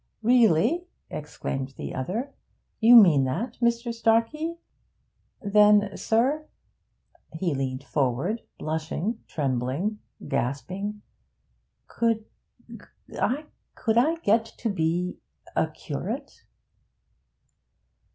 'Really?' exclaimed the other. 'You mean that, Mr. Starkey? Then, sir' he leaned forward, blushing, trembling, gasping 'could I get to be a curate?'